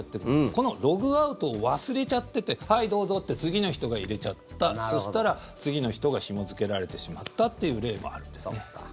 このログアウトを忘れちゃっててはい、どうぞって次の人が入れちゃったそしたら、次の人がひも付けられてしまったという例もあるんですね。